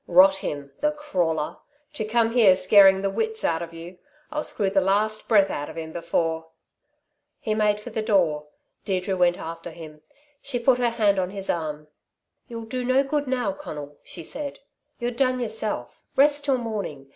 Rot him the crawler! To come here scaring the wits out of you. I'll screw the last breath out of him, before " He made for the door. Deirdre went after him. She put her hand on his arm. "You'll do no good now, Conal," she said. "You're done yourself. Rest till morning.